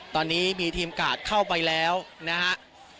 ตอนนี้มีทีมกาดเข้าไปแล้วนะฮะ